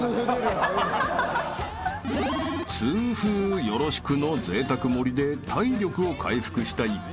［痛風よろしくのぜいたく盛りで体力を回復した一行］